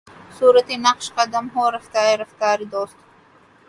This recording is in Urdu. صورتِ نقشِ قدم ہوں رفتۂ رفتارِ دوست